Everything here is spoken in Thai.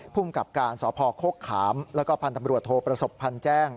ภูมิกับการสพโคกขามแล้วก็พันธบรวจโทประสบพันธ์แจ้ง